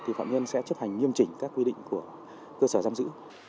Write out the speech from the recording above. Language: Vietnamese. thì phạm nhân sẽ chấp hành nghiêm chỉnh các quy định của cơ sở giam giữ